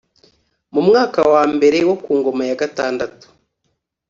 mu mwaka wa mbere wo ku ngoma ya gatandatu